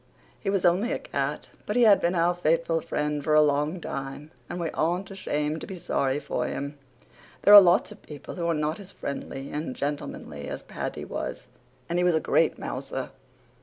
He was only a cat, but he had been our faithful friend for a long time and we aren't ashamed to be sorry for him. There are lots of people who are not as friendly and gentlemanly as Paddy was, and he was a great mouser.